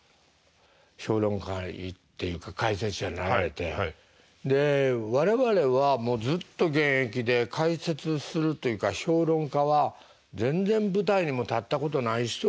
評論家へ行っていうか解説者になられて我々はもうずっと現役で解説するというか評論家は全然舞台にも立ったことない人が評論するもんですからね。